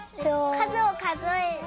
かずをかぞえる。